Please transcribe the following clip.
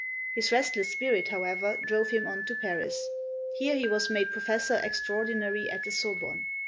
His restless spirit, however, drove him on to Paris. Here he was made professor extraordinary at the Sorbonne.